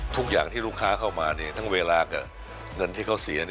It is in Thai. ทุกอย่างที่ลูกค้าเข้ามาทั้งเวลากับเงินที่เขาเสีย